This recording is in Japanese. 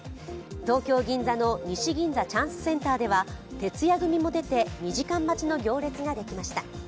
東京・銀座の西銀座チャンスセンターでは徹夜組も出て２時間待ちの行列ができました。